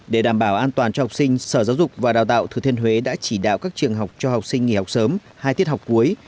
để đảm bảo an toàn cho học sinh sở giáo dục và đào tạo thừa thiên huế đã chỉ đạo các trường học cho học sinh nghỉ học sớm hai tiết học cuối